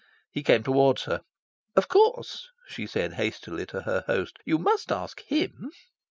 He came towards her. "Of course," she said hastily to her host, "you must ask HIM."